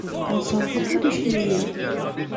Consomme beaucoup de chenilles.